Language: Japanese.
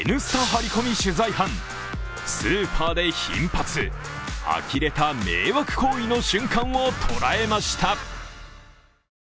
ハリコミ取材班、スーパーで頻発、あきれた迷惑行為の瞬間を捉えました。